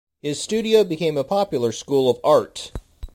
His studio became a popular school of art.